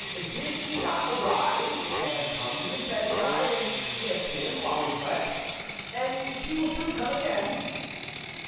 "Did she not arrive and come to his bedside and kiss him while he slept, and she will soon come again?"